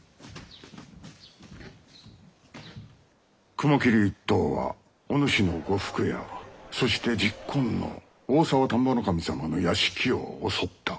雲霧一党はお主の呉服屋そして昵懇の大沢丹波守様の屋敷を襲った。